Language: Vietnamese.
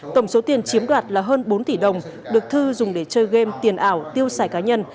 tổng số tiền chiếm đoạt là hơn bốn tỷ đồng được thư dùng để chơi game tiền ảo tiêu xài cá nhân